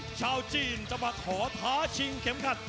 ชาวจีนจะมาขอท้าชิงเข็มขัด